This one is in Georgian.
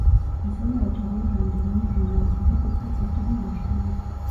ასევე ავტორია რამდენიმე რომანისა და პუბლიცისტური ნაშრომის.